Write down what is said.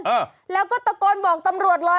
อ่าแล้วก็ตะโกนบอกตำรวจเลย